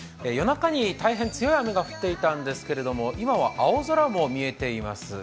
夜中に大変強い雨が降っていたんですけれども、今は青空も見えています